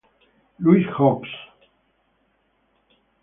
Louis Hawks.